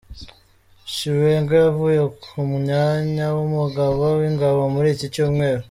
Chiwenga yavuye ku mwanya w’Umugaba w’Ingabo muri iki cyumweru.